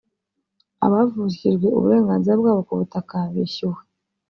Abavukijwe uburenganzira bwabo ku butaka bishyuwe